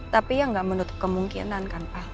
tapi ya nggak menutup kemungkinan kan pak